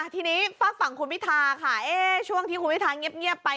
ทีนี้ฝากฝั่งคุณพิธาค่ะช่วงที่คุณพิทาเงียบไป